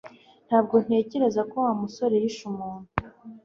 Ntabwo ntekereza ko Wa musore yishe umuntu